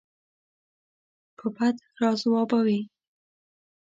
په بد راځوابوي.